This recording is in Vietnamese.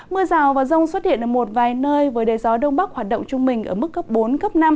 mưa rào và rông xuất hiện ở một vài nơi với đới gió đông bắc hoạt động trung bình ở mức cấp bốn cấp năm